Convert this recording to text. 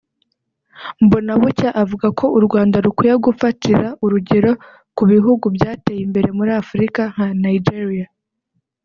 Mbonabucya avuga ko u Rwanda rukwiye gufatira urugero ku bihugu byateye imbere muri Afurika nka Nigeria